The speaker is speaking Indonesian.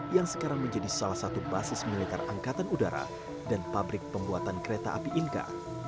yang sekarang menjadi salah satu basis militer angkatan udara dan pabrik pembuatan kereta api inka